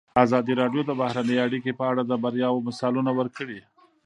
ازادي راډیو د بهرنۍ اړیکې په اړه د بریاوو مثالونه ورکړي.